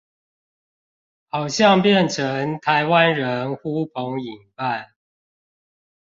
好像變成台灣人呼朋引伴